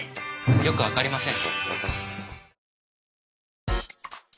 よくわかりません。